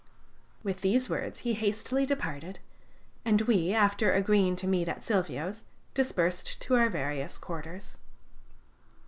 With these words he hastily departed, and we, after agreeing to meet at Silvio's, dispersed to our various quarters.